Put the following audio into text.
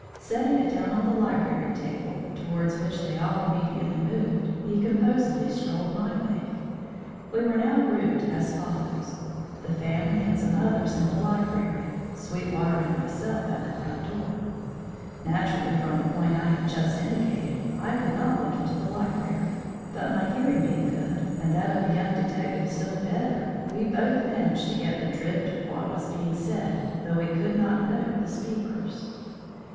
Setting it down on the library table, towards which they all immediately moved, he composedly strolled my way. We were now grouped as follows: the family and some others in the library, Sweetwater and myself at the front door. Naturally, from the point I have just indicated, I could not look into the library; but my hearing being good and that of the young detective still better, we both managed to get the drift of what was being said, though we could not note the speakers.